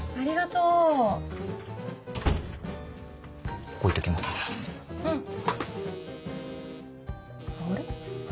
うん。あれ？